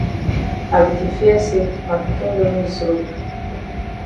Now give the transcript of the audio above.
I be di fear say ma pikin don miss road.